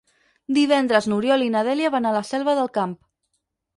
Divendres n'Oriol i na Dèlia van a la Selva del Camp.